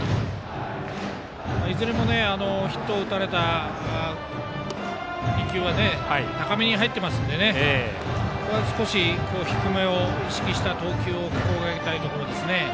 いずれもヒットを打たれた２球は高めに入っていますので少し低めを意識した投球を心がけたいところですね。